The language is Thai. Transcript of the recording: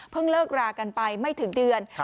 เลิกรากันไปไม่ถึงเดือน